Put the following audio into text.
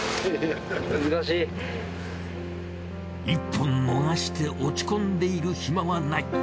一本逃して落ち込んでいる暇はない。